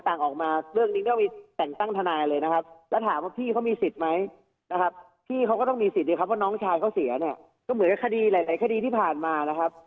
แต่งตั้งทนายเลยนะครับแล้วถามว่าพี่เขามีสิทธิ์ไหมนะครับพี่เขาก็ต้องมีสิทธิ์นะครับเพราะว่าน้องชายเขาเสียเนี่ยก็เหมือนกับคดีหลายคดีที่ผ่านมานะครับ